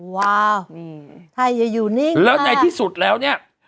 ว้าวไทยอยู่นิ่งค่ะแล้วในที่สุดแล้วเนี่ย